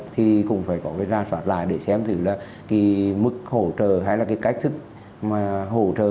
thì cũng phải có ra soát lại để xem thử là mức hỗ trợ hay là cách thức hỗ trợ